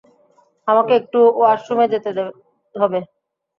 আমাকে একটু ওয়াশরুমে যেতে হবে।